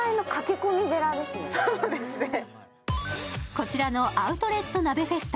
こちらのアウトレット鍋フェスタ。